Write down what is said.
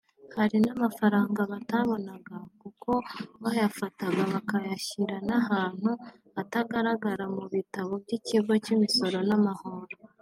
Hari n’amafaranga batabonaga kuko bayafataga bakayashyira n’ahantu atagaragara mu bitabo by’Ikigo cy’Imisoro n’amahoro